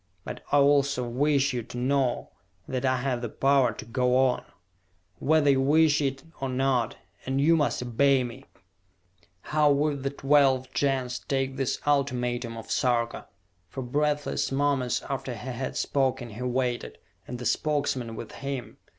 "But I also wish you to know that I have the power to go on, whether you wish it or not and you must obey me!" How would the twelve Gens take this ultimatum of Sarka? For breathless moments after he had spoken he waited, and the Spokesmen with him.